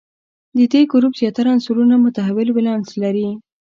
د دې ګروپ زیاتره عنصرونه متحول ولانس لري.